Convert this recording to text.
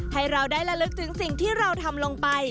ให้เราได้ระลึกถึงสิ่งที่เราทำลงไป